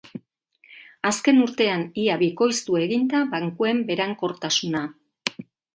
Azken urtean ia bikoiztu egin da bankuen berankortasuna.